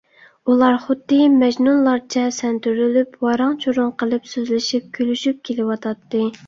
ئۇلار خۇددى مەجنۇنلارچە سەنتۈرۈلۈپ، ۋاراڭ - چۇرۇڭ قىلىپ سۆزلىشىپ - كۈلۈشۈپ كېلىۋاتاتتى.